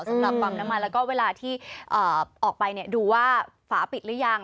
สำหรับปั๊มน้ำมันแล้วก็เวลาที่ออกไปดูว่าฝาปิดหรือยัง